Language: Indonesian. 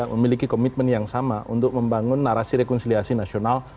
memiliki komitmen yang sama untuk membangun narasi rekonsiliasi nasional